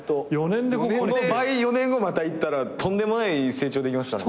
この倍４年後またいったらとんでもない成長できますかね。